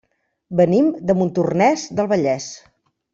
Venim de Montornès del Vallès.